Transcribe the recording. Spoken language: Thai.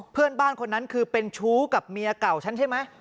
เพื่อนบ้านคนนั้นคือเป็นชู้กับเมียเก่าฉันใช่ไหม